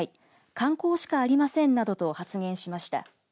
観光しかありませんなどと発言しました。